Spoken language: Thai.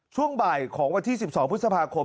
ช่วงบ่ายของวันที่๑๒พฤษภาคม